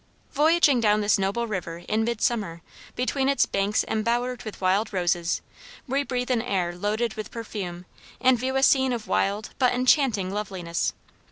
Voyaging down this noble river in midsummer, between its banks embowered with wild roses we breathe an air loaded with perfume and view a scene of wild but enchanting loveliness.